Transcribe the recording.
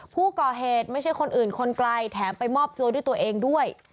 ผู้ก่อเหตุไม่ใช่คนอื่นคนไกลแถมไปมอบตัวด้วยตัวเองด้วย